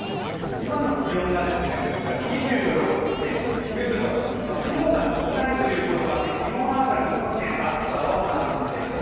今の気温がこちら２６．９度雲が少ないということもあって昨日の朝よりも少し暑さを感じています。